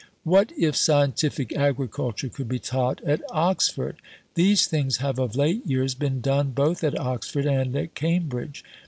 What if Scientific Agriculture could be taught at Oxford?" These things have of late years been done both at Oxford and at Cambridge.